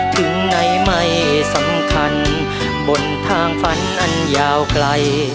ถึงไหนไม่สำคัญบนทางฝันอันยาวไกล